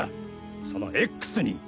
そのＸに。